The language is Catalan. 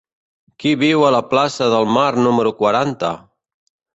Qui viu a la plaça del Mar número quaranta?